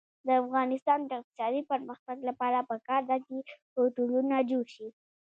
د افغانستان د اقتصادي پرمختګ لپاره پکار ده چې هوټلونه جوړ شي.